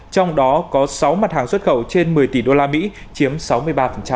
trong đó có sáu mặt hàng xuất khẩu trên một mươi tỷ usd chiếm sáu năm